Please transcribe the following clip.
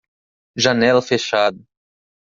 Janela fechada.